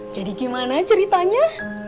jadi gimana ceritanya